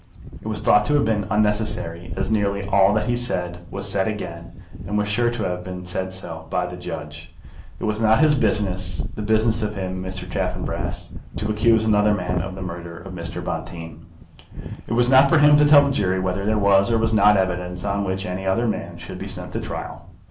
It was thought to have been unnecessary, as nearly all that he said was said again and was sure to have been so said, by the judge. It was not his business, the business of him, Mr. Chaffanbrass, to accuse another man of the murder of Mr. Bonteen. It was not for him to tell the jury whether there was or was not evidence on which any other man should be sent to trial.